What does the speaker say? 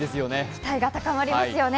期待が高まりますよね。